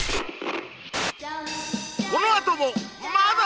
このあともはぁ！